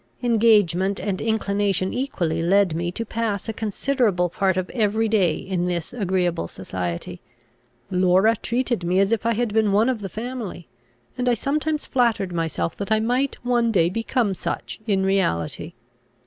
Engagement and inclination equally led me to pass a considerable part of every day in this agreeable society. Laura treated me as if I had been one of the family; and I sometimes flattered myself that I might one day become such in reality.